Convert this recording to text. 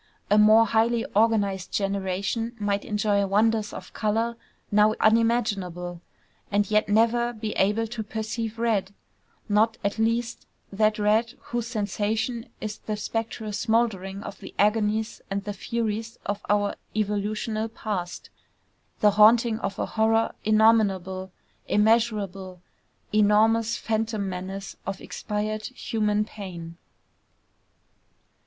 A more highly organized generation might enjoy wonders of color now unimaginable, and yet never be able to perceive red, not, at least, that red whose sensation is the spectral smouldering of the agonies and the furies of our evolutional past, the haunting of a horror innominable, immeasurable, enormous phantom menace of expired human pain.